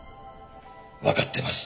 わかってます。